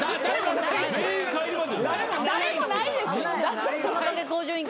誰もないですよ。